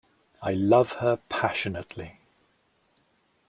I love her passionately.